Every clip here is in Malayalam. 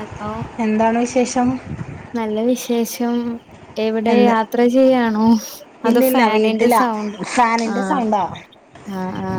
ഹലോ എന്താണ് വിശേഷം? നല്ല വിശേഷം. എവിടെ എന്ത് യാത്ര ചെയ്യാണോ? അത് ഇല്ലില്ല ഫാനിന്റെ വീട്ടിലാ സൗണ്ട്. ഫാനിന്റെ ആഹ് ആ ആ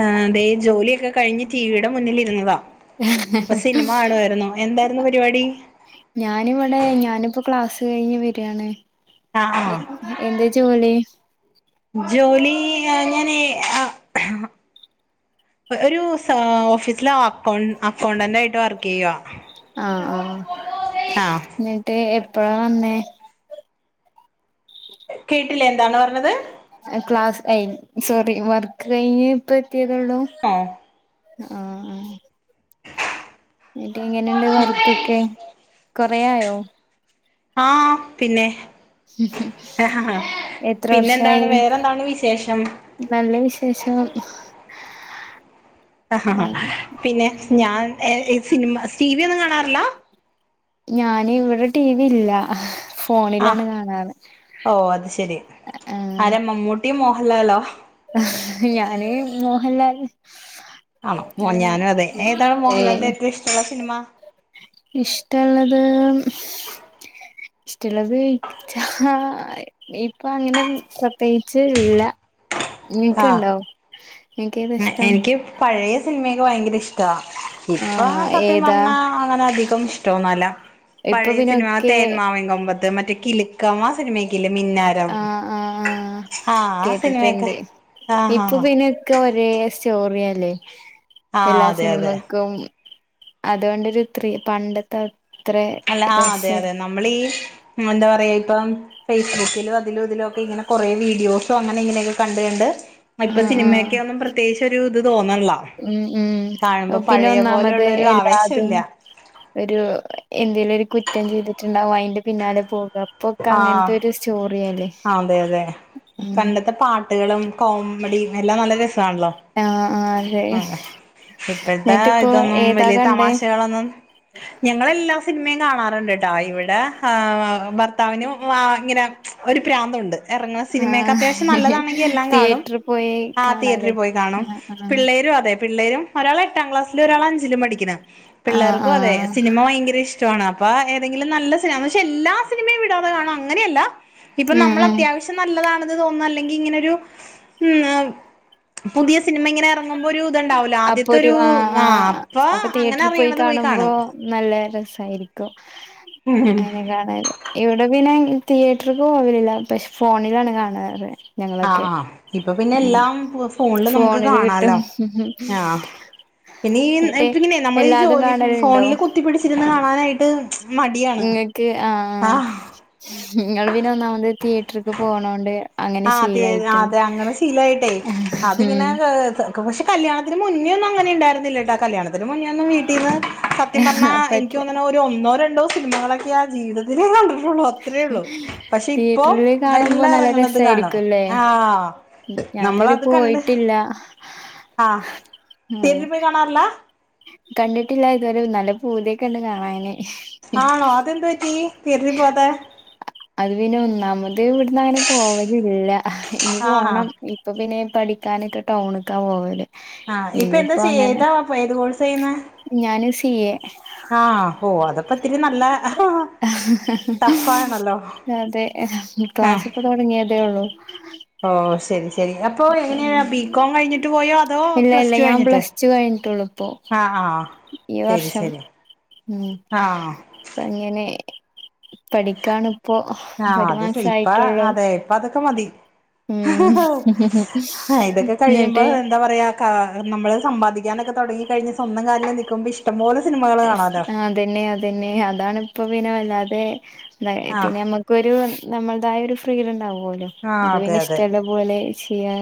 ആ അതെ ജോലിയൊക്കെ കഴിഞ്ഞ് ടിവിയുടെ മുന്നിലിരുന്നത. അപ്പൊ സിനിമ കാണുവായിരുന്നോ എന്താരുന്നു പരിപാടി? ഞാനിവിടെ ഞാനിപ്പോ ക്ലാസ് കഴിഞ്ഞ് വരാണ്. ആഹ് ആഹ് എന്തേ ജോലി? ജോലി ഞാന് ആ ഒരു ഓഫീസില് അക്കൗ അക്കൗണ്ടന്റാ യിട്ട് വർക്കെയ്യുവാ. ആ ആ ആഹ് എന്നിട്ട് എപ്പഴാ വന്നെ? കേട്ടില്ലേ എന്താണ് പറഞ്ഞത്? ക്ലാസ് കഴിഞ്ഞ് സോറി വർക്ക് കഴിഞ്ഞ് ഇപ്പ എത്തിയതേള്ളൂ ഓ ആ ആ. ന്നിട്ട് എങ്ങനെയുണ്ട് വർക്കൊക്കെ? കൊറെയായൊ? ആഹ് പിന്നെ, ആ എത്ര പിന്നെന്താണ് വർഷായി വേറെന്താണ് വിശേഷം? നല്ല വിശേഷം. പിന്നെ ഞാൻ സിനിമ സീരിയലൊന്നും കാണാറില്ല? ഞാന് ഇവിടെ ടീവില്ല ആ ഹ് ഓ അത് ശെരി ആരാ ആഹ് മമ്മൂട്ടി മോഹൻലാലോ? ഞാന് മോഹൻലാല് ആണോ ഓ ഞാനും അതെ. ഏതാണ് മോഹൻലാലിന്റെ ഏറ്റവും ഇഷ്ടമുള്ള സിനിമ? ഇഷ്ടൊള്ളത് ഇഷ്ടള്ളത് ചാ, ഇപ്പൊ അങ്ങനെ പ്രത്യേകിച്ച്ല്ല. ആഹ് ഇനിക്ക്ണ്ടോ? ഇനിക്കേതാ ഇഷ്ടം? എനിക്ക് പഴയ സിനിമക്ക് ഭയങ്കര ഇഷ്ട ഇപ്പൊ ആഹ് സത്യം ഏതാ പറഞ്ഞാ അങ്ങനെ അധികം ടൊന്നല്ല. ഇപ്പൊ പഴയ സിനിമ പിന്നൊക്കെ തേന്മാവിൻ കൊമ്പത്ത്, മറ്റേ കിലുക്കം, ആ സിനിമക്കില്ലേ മിന്നാ [inaudible] [unintelligible] ആഹ് ആഹ് ആഹ് കേട്ടിട്ടുണ്ട്. ആഹ് ഇപ്പൊ ആഹ് പിന്നൊക്കെ ഒരേ സ്റ്റോറി ആലെ. ആഹ് എല്ലാ അതെ അതെ സിനിമക്കും അതുണ്ടൊരു ത്രി പണ്ടെ ത്തെ അല്ല അതെ അതെ നമ്മളീ എന്താ പറയാ ഇപ്പം ഫേസ്ബുക്കിലും അതിലും ഇതിലും ഒക്കെ ഇങ്ങനെ കുറേ വീഡിയോസോ അങ്ങനെ ഇങ്ങനെയൊക്കെ കണ്ട് ക ണ്ട്,. ഇപ്പൊ ആഹ് ആഹ് സിനിമയൊക്കെ ഒന്നും പ്രത്യേകിച്ച് ഒരു ഇത് തോന്നണില്ല ഉം കാണുമ്പോ ഉം പിന്നെ പഴയ ഒന്നാമത് പോലെയുള്ളൊരു ആവേശം എല്ലാതും ഇല്ല ഒരു എന്തേലും ഒരു കുറ്റം ചെയ്തിട്ടുണ്ടാവും അയിന്റെ പിന്നാലെ പോക പ്പൊക്കങ്ങൻത്തൊരു സ്റ്റോറിയല്ലെ. ആഹ് അതെ അതെ പണ്ടത്തെ പാട്ടുകളും കോമഡിയെല്ലാം നല്ല രസാണല്ലോ ആഹ് ആഹ് അതെ അഹ് ഇപ്പഴ്ത്താഹ് എന്നിട്ടിപ്പോ ഇതൊന്നും ഏതാ വല്യ കണ്ടേ തമാശളൊന്നും. ഞങ്ങളെല്ലാ സിൻമേം കാണാറ്ണ്ട്ട്ടാ ഇവിടെ ആഹ് ഭർത്താവിനും ആ ഇങ്ങനെ ഒരു പ്രാന്തുണ്ട്. ഇറങ്ങുന്ന സിനിമയൊക്കെ ആഹ് അത്യാവശ്യം നല്ലതാണെങ്കിൽ എല്ലാം കാണും. തിയേറ്ററിൽ പോയി ആ കാണാലേ തിയേറ്ററിൽ പോയി കാണും. ആഹ് ആഹ് പിള്ളേരും അതെ പിള്ളേരും ഒരാളെട്ടാം ക്ലാസ്സിലു ഒരാളഞ്ചിലും പടിക്ക്ണ്. ആഹ് പിള്ളേർക്കു അതെ ആഹ് സിനിമ ഭയങ്കരിഷ് ട്ടാണ് അപ്പ ഏതെങ്കിലും നല്ല സിനമ പക്ഷേ എല്ലാ സിനിമയും വിടാതെ കാണും അങ്ങനെയല്ല. ഇപ്പം ഉം ഉം നമ്മളത്ത്യാവശ്യം നല്ലതാ- [unintelligible] തോന്ന അല്ലെങ്കി ഇങ്ങനൊരു ഉം പുതിയ സിനിമ ഇങ്ങനെറ ങ്ങുമ്പോരു ത്ണ്ടാവലോ അപ്പൊ ഒരു ആദ്യത്തൊരു ആ ആ ആഹ് അപ്പൊ അങ്ങന അറിയണത് പോയി കാണും. കും അയ്നെ കാണാന്. ഇവിടെ പിന്നെ തിയേറ്റർക്ക് പോവലില്ല പഷ് ഫോണിലാണ് കാണാറ്. ആ ഞങ്ങളൊക്കെ ആഹ് ഇപ്പൊ ഉം പിന്നെല്ലാം ഫോൺല് നമുക്ക് ഫോണില് കാണാ- കിട്ടും ലൊ ആഹ് പിന്നീ എന്നിട്ട് പിന്നെങ്ങനെ നമ്മളെ ഈ എല്ലാതും ജോലി കാണലുണ്ടോ ഫോണില് കു കുത്തിപ്പിടിച്ചിരുന്ന് കാണാനായിട്ട് മടിയാണ് ആഹ്. ങ്ങള് പിന്നെ ഒന്നാമത് തിയേറ്റർക്ക് പോണോണ്ട്. അങ്ങനെ ആഹ് തെ ശീലായിട്ടുണ്ട് അതെ അങ്ങനെ ശീലായിട്ടെയ് അതിങ്ങനെ ഉം ഹേ ഹ ക പക്ഷെ കല്യാണത്തിന് മുന്നേ ന്നും അങ്ങനെയുണ്ടായിരുന്നില്ലട്ടാ കല്യാണ തിന് മുന്നേന്നും വീട്ടിന്ന് സത്യം പർഞ്ഞാ പറ്റ എനിക്ക് തോന്നണു ഒരു ഒന്നോ രണ്ടോ സിനിമകളൊക്കെയാ ജീവിത അതിനേ കണ്ടിട്ടുള്ളൂ അത്രേ ള്ളൂ പക്ഷേ ഇപ്പോം തിയേറ്ററിൽ കാണുമ്പോ എല്ലാ നല്ല എറങ്ങണ ത് കാണും രസായിരിക്കുംല്ലേ ആഹ് നമ്മളത് കണ്ട്. ല്ല. ആഹ് തിയേറ്ററി പോയി കാണാർല്ല. കണ്ടിട്ടില്ല ഇതുവരെ നല്ല പൂത്യക്കെ ണ്ട് കാണാന്. ആണോ അതെന്ത് പറ്റി തിയേറ്ററി പോവാതെ? അത് പിന്നെ ഒന്നാമത് ഇവിടന്ന് അങ്ങനെ പോവലില്ല ഇനി ആഹ് ആഹ് പോണം. ഇപ്പൊ പിന്നെ പഠിക്കാനൊക്കെ ടൗണ്ക്കാ പോവല്. ആഹ് ഇപ്പന്താ ഇനിയിപ്പോ ചെയ്യ അങ്ങനെ ഏതാ പ്പ ഏത് കോഴ്സ് ചെയ്യുന്നെ? ഞാന് സി എ ആഹ് ഓഹ് അതൊ പ്പത്തിന് നല്ല അഹാ... ടഫ്ഫണല്ലോ ആഹ്. തൊട്ങ്ങിയതേ ള്ളൂ. ഓഹ് ശരി ശരി അപ്പൊ എങ്ങനെയ ബികോം കഴിഞ്ഞിട്ട് പോയോ അതോ പ്ലസ് ടു കഴിഞ്ഞിട്ട്. എളുപ്പം ആഹ് ആഹ് ഈ ശരി വർഷം ശരി ഉം. ആഹ് അങ്ങനെ പഠിക്കാണ്. ആഹ് അത് സൈ ഇപ്പ അതെ ഇപ്പ അതൊക്കെ മതി. ഉം ഹ ഇതൊക്കെ കഴിയുമ്പോ എന്നിട്ട് എന്താ പറയാ. ക്കാ നമ്മള് സമ്പാദിക്കാനൊക്കെ തൊടങ്ങി കഴിഞ്ഞ സ്വന്തം കാലില് നിക്കുമ്പോ ഇഷ്ടം പോലെ സിനിമകൾ കാണാലോ. അതന്നെ അതന്നെ അതാണ് ഇപ്പം പിന്നെ വല്ലാതെ ആഹ് പിന്നെ നമ്മ ക്കൊരു നമ്മളതായൊരു ഫ്രീഡം ഉണ്ടാവോല്ലോ ആഹ് അതെ അപ്പൊപിന്നെ അതെ ഇഷ്ടള്ള പോലെ ചെയ്യാ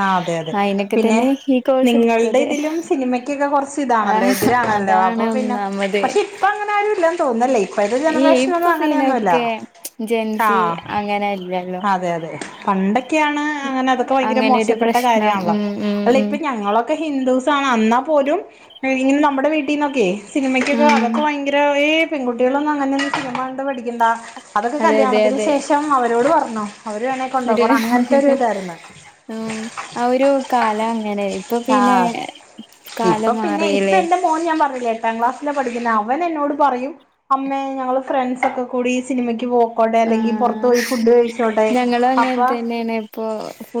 ആഹ് അതെ അതെ അയിനൊക്കെ പിന്നെ തന്നെ ഈ കോഴ്സ് നിങ്ങളുടെ എടുത്തത് ഇതിലും സിനിമക്കൊക്കെ കൊറച്ച് ഇതാണല്ലോ ആഹ് എതിരാണല്ലോ അതാണ് അപ്പൊപിന്നെ ഒന്നാമത് പക്ഷെ ഇപ്പൊ അങ്ങനെ ആരും ഇല്ലന്ന് തോന്നുന്നല്ലേ ഇപ്പഴതെ ഈ ഇപ്പൊ ജനറേഷനൊന്നും അങ്ങനെയല്ലല്ല പിന്നൊക്കെ ജെൻസി ആഹ് അങ്ങനെല്ലല്ലോ അതെ അതെ പണ്ടൊക്കെയാണ് അങ്ങനെ അതൊക്കെ ഭയങ്കര അങ്ങനെ ഒരു മോശപ്പെട്ട പ്രശ്നം കാര്യണല്ലോ ഉം ഉം അല്ല ഉം ഇപ്പൊ ഞങ്ങളൊ ഒക്കെ ഹിന്ദുസാണ്, അന്നാ പോലും ഇങ്ങനെ നമ്മുടെ വീട്ടീന്നൊക്കെയ് സിനിമയ്ക്കൊക്കെ ആഹ് അതൊക്കെ ഭയങ്കര ഈ പെൺകുട്ടികളൊന്നും അങ്ങനെ സിനിമ കണ്ട് പഠിക്കണ്ട അതൊക്കെ അതെ അതെ കല്യാണത്തിന് അതെ ശേഷം അവരോട് പറഞ്ഞോ അവര് വേണെങ്കിൽ ഒരു കൊണ്ടോക്കണം അങ്ങനത്തൊരു ഇതായിരുന്നു. ഉം ആ ഒരു കാലം അങ്ങനെയി ഇപ്പൊ പിന്നെ ആഹ് ഇപ്പൊ കാലം പിന്നെ ഇപ്പൊ മാറീല്ലേ. എന്റെ മോൻ ഞാൻ പറഞ്ഞില്ലേ! എട്ടാം ക്ലാസ്സിലാ പഠിക്കുന്ന അവൻ എന്നോട് പറയും അമ്മേ ഞങ്ങള് ഫ്രണ്ട്സൊക്കെ കൂടി ഈ സിനിമയ്ക്ക് പോകു അയിക്കോട്ടെ അല്ലെങ്കിൽ പൊറത്ത് പോയി ആഹ് ഫുഡ് കഴിച്ചോട്ടെ ഞങ്ങളും അങ്ങനെ അപ്പോ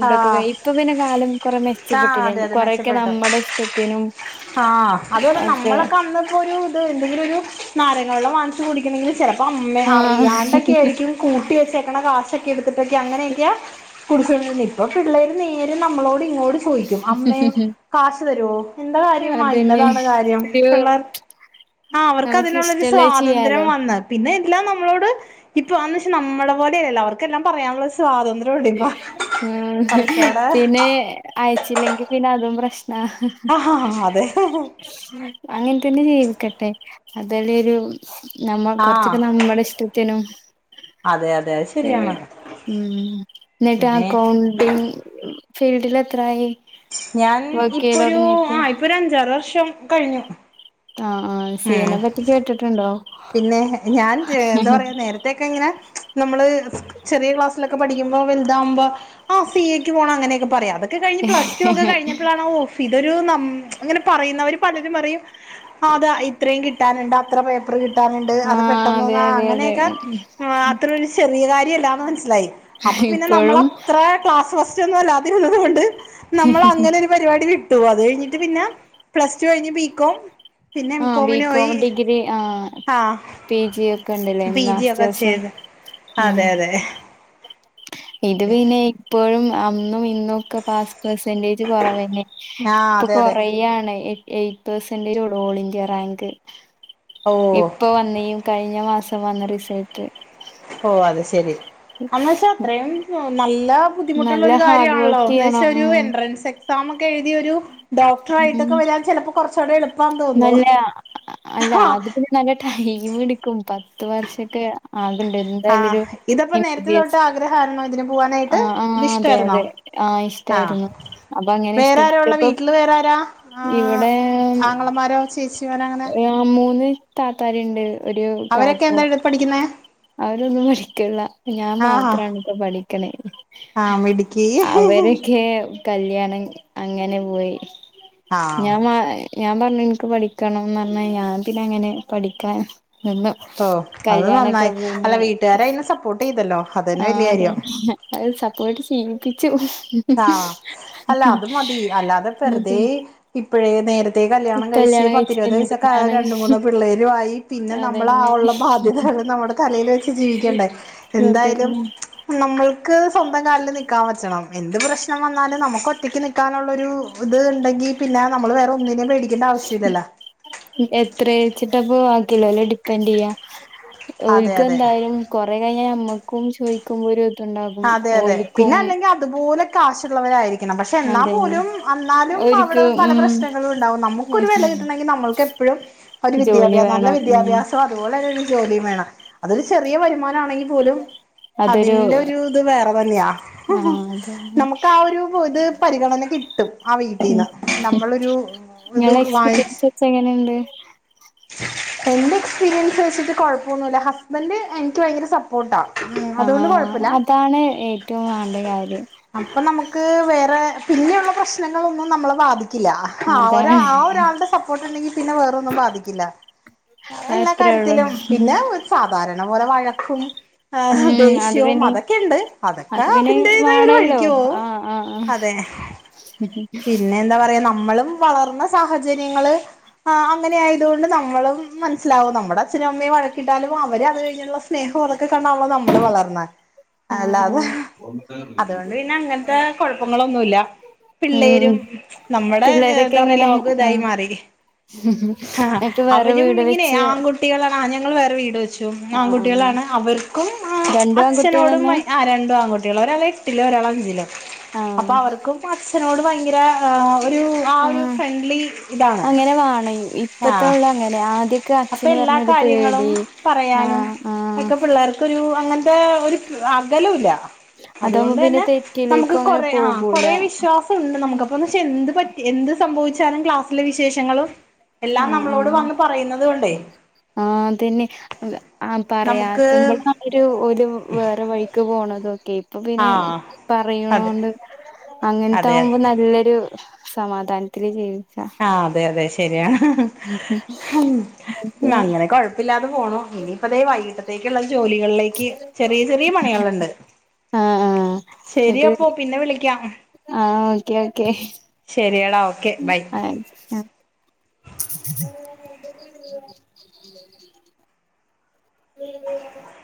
ആഹ് പ്പ പിന്ന കാലം കുറെ ആഹ് മെച്ചപ്പെട്ടില്ല അതെ അതെ കൊറേക്കെ മെച്ചപ്പെട്ടു നമ്മടെ ഇഷ്ടത്തിനും ആഹ് അതുപോലെ ഒക്കെ. നമ്മളൊക്കെ അന്നിപ്പോ ഒരു ഇത് എന്തെങ്കിലും ഒരു നാരങ്ങള്ളം വാങ്ങിച്ച് കുടിക്കണങ്കിലും ചെലപ്പോ അമ്മ ആഹ് അറിയാണ്ടൊക്കെയിരിക്കും കൂട്ടി വെച്ചേക്കണ കാശൊക്കെ എടുത്തിട്ടൊക്കെ അങ്ങനെയൊക്കെയാ കുടിച്ചിരുന്ന് ഇപ്പൊ പിള്ളേര് നേരെ നമ്മളോട് ഇങ്ങോട് ചോദിക്കും അമ്മേ കാശ് തരോ എന്താ കാര്യം അതന്നെ ഇന്നതാണ് കാര്യം ഒരു പിള്ളേർക്ക് ആ അവർക്ക് നമുക്ക് അതിനുള്ളൊരു ഇഷ്ടള്ളത് സ്വാതന്ത്ര്യം ചെയ്യാലോ വന്ന് പിന്നെ എല്ലാം നമ്മോട്, ഇപ്പോ അന്ന് വെച്ച നമ്മളോലെല്ല അവർക്കെല്ലാം പറയാനുള്ള സ്വാതന്ത്രം നോടിപ്പോ പിന്നെ അയച്ചില്ലെങ്കി പിന്നെ അതും പ്രശ്ന ആ ആ അതെ. അങ്ങനെ തന്നെ ജീവിക്കട്ടെ അതലൊരു. നമ്മ ആഹ് കൊറച്ചൊക്കെ നമ്മടെ ഇഷ്ടത്തിനും. അതെ അതെ അത് ശരി ശരിയാണ് ഉം. പിന്നെ അക്കൗണ്ടിങ് ഫീൽഡില് എത്രായി. ഞാൻ വർക്ക് ഇപ്പൊ ചെയ്യല് ഒരു തൊടങ്ങിട്ട് ആ ഇപ്പൊ ഒരു അഞ്ചാറ് വർഷം കഴിഞ്ഞു. ആഹ് ആ സി ഉം എ പറ്റികേട്ടിട്ടുണ്ടോ. പിന്നെ ഞാൻ എന്താ പറയാ നേര തൊക്കെ ഇങ്ങനെ നമ്മള് ചെറിയ ക്ലാസ്സിലൊക്കെ പഠിക്കുമ്പോ വലുതാവുമ്പോ ആ സി എക്ക് പോണം അങ്ങനൊക്കെ പറയാ അതൊക്കെ കഴിഞ്ഞ്പ്ലസ്ടു ഒക്ക കിഞ്ഞപ്പളാണ് ഓ ഇതൊരു നം ഇങ്ങനെ പറയുന്നവര് പലരും പറയും അത ഇത്രയും കിട്ടാനുണ്ട് അത്ര പേപ്പർ കിട്ടാനുണ്ട് അത് അതെ പെട്ടെന്നൊന്ന് അതെ അതെ അങ്ങനെയൊക്കെ. ആ അത്ര ഒരു ചെറിയ കാര്യല്ലാന്ന് മനസ്സിലായി അപ്പൊ പിന്നെ ഇപ്പോഴും നമ്മളത്ര. ക്ലാസ് ഫസ്റ്റ് ഒന്നും അല്ലാതെഉള്ളതു കൊണ്ട് നമ്മൾ അങ്ങനെ ഒരു പരിപാടി വിട്ടു അത് കഴിഞ്ഞിട്ട് പിന്നെ. പ്ലസ് ടു കഴിഞ്ഞ് ബികോം പിന്നെ എം കോമിന് പോയി ആ ആ പീജി ഒക്കെ മാസ്റ്റേഴ്സ് ചെയ്ത് ഉം അതെ അതെ. ഇത് പിന്നെ ഇപ്പോഴും അന്നും ഇന്നും ഒക്കെ പാസ് പെർസെന്റേജ് കുറവന്നെ. ആഹ് ഇപ്പൊ അതെ അതെ കൊറയാണ് എയ്റ്റ് പെർസെന്റേജുള്ളു ഓൾ ഇന്ത്യ റാങ്ക്. ഓ ഇപ്പൊ വന്നയും കഴിഞ്ഞ മാസം വന്ന റിസൾട്ട് ഓ അത് ശെരി എന്ന്വച്ചാ അത്രയും നല്ല. ബദ്ധിമുട്ടുള്ള നല്ല ഒരു ഹാർഡ് കാര്യാണല്ലോ വർക്ക് ന്ന്വെച്ചാ ചെയ്യണം ഒരു ഉം എൻട്രൻസ് എ മ്മാക്ക് എഴുതിയ ഒരു ഉം ഡോക്ടറായിട്ടൊക്കെ വരാ ചിലപ്പോൾ കുറച്ചൂടെ എളുപ് നല്ല അല്ല അത് പിന്നെ നല്ല ടൈംടുക്കും പത്ത് വർഷക്കെ ആക്ണ്ട് ആഹ് ഇതപ്പോ നേരത്തെ തൊട്ട് ആഗ്രഹാണോ ഇതിന്. ആ പോവാനായിട്ട് ആ അതെ ഇത്ഷ്ടായിരുന്നോ അതെ ആ ഇഷ്ടായിരുന്നു അപ്പൊ അങ്ങനെ ആവേറെ ആര ഉള്ള ഇഷ്ടപ്പെട്ടപ്പോ വീട്ടില് വേറെ ആരാ. ഇവിടെ ആങ്ങളമാരോ ചേച്ചിമാരോ അങ്ങനെ ആ മൂന്ന് താത്താര്ണ്ട് ഒരു അവരൊക്കെ കാക്കും. എന്താ പഠിക്കുന്നേ അവരൊന്നും പഠിക്ല്ല ഞാൻ മാത്രാണിപ്പൊ പഠിക്കണേ. ആ മിടുക്കി. ക്കെ കല്യാണം അങ്ങനെ പോയി ആഹ് ഞാമാ ഞാപറഞ്ഞു ഇൻക്ക് പഠിക്കണംന്ന് പറഞ്ഞ്, ഞാൻ പിന്നെ അങ്ങനെ പഠിക്കാൻ വന്നു. ഓ അത് നന്നായി അല്ല വീട്ടുകാരയിന് സപ്പോർട്ട്യ്തല്ലോ. ആഹ് അതെ അത് സപ്പോർട്ട് ചെയ്യിപ്പിച്ചു. ആഹ് അല്ല അത് മതി അല്ലാതെ അതെ വെറുതെ ഇപ്പഴേ നേരത് [unintelligible] കല്യാണം കഴിച്ച്, കഴിച്ചിട്ട് പത്തിരുപത് വയസ്സൊക്കെ ആവാ എന്തിനാണ് രണ്ട് മൂന്ന് പിള്ളേരും ആയി. പിന്നെ നമ്മള് ആ അതന്നെ ഉള്ള ബാധ്യതകൾ നമ്മുടെ തലേൽ വെച്ച് ജീവിക്കണ്ടേ എന്തായാലും അതന്നെ നമ്മൾക്ക് സ്വന്തം കാലിൽ നിക്കാ പറ്റണം. എന്ത് പ്രശ്നം വന്നാലും നമുക്ക് ഒറ്റക്ക് നിക്കാനുള്ള ഒരു ഇത് ണ്ടെങ്കി പിന്നെ നമ്മള് വേറെ ഒന്നിനും പേടിക്ക എനിക്ക് അതിന്റ ആവശ്യമില്ലല്ലോ എത്ര വച്ചിട്ടപ്പ ബാക്കി ഉള്ളവർ ഡിപ്പെൻഡ് ചെയ്യാ അതെ ഒരിക്ക അതെ എന്തായാലും കൊറെ കഴിഞ്ഞ നമ്മൾക്ക് ചോദിക്കുമ്പോ ഒരു ഇതുണ്ടാകും ഓലിക്കും തുപോലെ കാശുള്ളവരായിരിക്കും. പക്ഷെ എന്നാ അതന്നെ പോലും അന്നാലും അവിടെ ഓര്ക്ക് പല ഉം പ്രശ്നങ്ങളും ഉണ്ടാവും നമുക്കൊരു വില കിട്ടണങ്കി നമ്മൾക്ക് എപ്പഴും. ഒരു ജോലി വിദ്യാഭ്യ നല്ല വേണം ഉം വിദ്യാഭ്യാസ അതുപോലെന്നൊരു ജോലിയും വേണം അതൊരു ചെറിയ വരുമാനാണെങ്കിപോലും അതൊരു ഒരു ഇത് വേറെ തന്നെയാ. ആഹ് അതന്നെ നമുക്ക് ആ ഒരു ഇത് പരിഗണന കിട്ടും ആ ഉം വീട്ടിന്ന് നമ്മളൊരു. ഇത് ഇങ്ങളെ വാങ്ങിച്ച് എക്സ്പീരിയൻസ് വെച്ച് എങ്ങനെണ്ട്. എന്റെ എക്സ്പീരിയൻസ് വെച്ചിട്ട് കുഴപ്പമൊന്നു ഇല്ല ഹസ്ബന്ഡ് എനിക്ക് ഭയങ്കര സപ്പോർട്ട് കുട [inaudible] ആ അതാണ് ഏറ്റവും വണ്ട കാര്യം അപ്പൊ നമുക്ക് വേറെ പിന്നെയുള്ള പ്രശ്നങ്ങൾൊന്നും നമ്മളെ ബാധി- ആ അതാണ് ഒരാളുടെ സപ്പോർട്ട് ഉണ്ടെങ്കിൽ പിന്നെ വേറൊന്നും ബാധിക്കില്ല എല്ലാ അത്രേ ഒള്ളൂ കാര്യത്തിലും പിന്നെ സാധാരണ പോലെ വഴക്കും ആ ഉം അത് ദേഷ്യവും പിന്നെ അതൊക്കെ അതൊക്ക അതൊക്കെ അത് പിന്നെ അതിന്റതായ ഒരു വാണല്ലോ വഴിക്ക് പോകും ആഹ് ആഹ് അതെ ആഹ് [inaudible] പിന്നെ എന്താ പറയാ നമ്മളും വളർന്ന സാഹചര്യങ്ങൾ അങ്ങനെ ആയതുകൊണ്ട് നമ്മളും മനസ്സിലാവും നമ്മുടെ അച്ഛനും അമ്മയും വഴക്കിട്ടാലും അവ അത് കഴിഞ്ഞുള്ള സ്നേഹം കണ്ടല്ലേ നമ്മള് വളർന്നാൻ അല്ലാ ആഹ് അതെ [unintelligible] കുഴപ്പങ്ങളൊന്നുമല്ല ഉം പിള്ളേരും നമ്മുടെ പിള്ളേരൊക്കെ എന്താ പറയ എങ്ങനെ ലോകം ആ ഇതായി മാറി ആഹ എന്നിട്ട് വേറെ അവരും വീട് ഇങ്ങനെ വെച്ച് ആൺകുട്ട കുട്ടികളാണ് ആ ഞങ്ങൾ വേറെ വീട് വെച്ചു ആ ആൺകുട്ടികളാണ് അവർക്കും രണ്ടും അച്ഛനോടും ആൺകുട്ടികളന്നെ ആ രണ്ടും ആൺകുട്ടികള ഒരാൾ എട്ടിലോ ഒരാൾ അഞ്ചിലോ ആ അപ്പൊ അവർക്കും അച്ഛനോട് ഭയങ്കര ഒരു ആ ഒരു ഫ്രണ്ട്ലി ഇതാണ് അങ്ങനെ വേണം ആഹ ഇപ്പത്തുള്ള അങ്ങനെ ആദ്യൊക്കെ അപ്പം അച്ഛന് എല്ലാ പറഞ്ഞൊരു കാര്യങ്ങളും പേടി ആ പറയാനും ആ ഒക്കെ പിള്ളേർക്ക് ഒരു അങ്ങനത്തെ ഒരു അകല ഇല്ല അതാവുമ്പോ അതുകൊണ്ട് പിന്നെ തന്നെ നമുക്ക് തെറ്റിലേക്കും അങ്ങനെ കൊറ ആഹ പോകൂല കൊറെ വിശ്വാസം ഉണ്ട് നമുക്കന്ന് എന്ത് പറ്റി എന്ത് സംഭവിച്ചാലും ക്ലാസ് ളില വിശേഷങ്ങളും ആ എല്ലാം നമ്മളോട് വന്ന് പറയുന്നത് കൊണ്ടേ ആഹ അതന്നെ ആഹ പറയാ നമുക്ക് തുമ്പ ഒരു ഒരു വേറെ വഴിക്ക് പോണ അതൊക്കെ ഇപ്പൊ ആ പിന്നെ അതെ അതെ പറയണോണ്ട് അങ്ങനത്തെ അതെ ആകുമ്പോ നല്ലൊരു സമാധാനത്തില് ചെയ്യും ആ അതെ അതെ ശരിയാണ് ന്നിട്ട് [inaudible] അങ്ങനെ കുഴപ്പ കുഴപ്പമില്ലാതെ പോകുന്നു ഇനിയിപ്പ അതേ വൈകിട്ടത്തേക്കുള്ളള്ള ജോലികളിൽ നിക്ക് ചെറിയ ചെറിയ പണികളുണ്ട് ആഹ് ആഹ് ശരിയപ്പോ പിന്നെ വിളിക്കാം ആഹ ഓക്കെ ഓക്കേ ശരിയടാ ഓക്കെ ബൈ ആഹ [inaudible] [inaudible]